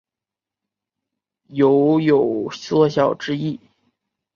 酉有缩小之意。